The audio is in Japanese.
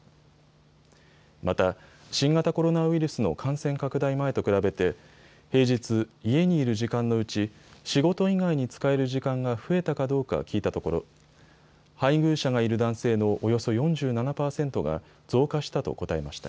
また新型コロナウイルスの感染拡大前と比べて平日、家にいる時間のうち仕事以外に使える時間が増えたかどうか聞いたところ配偶者がいる男性のおよそ４７％が増加したと答えました。